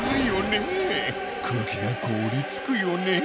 空気が凍りつくよね？